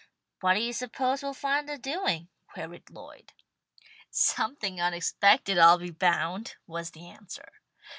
"What do you suppose we'll find her doing?" queried Lloyd. "Something unexpected, I'll be bound," was the answer.